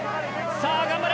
・さあ頑張れ！